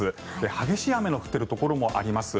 激しい雨の降っているところもあります。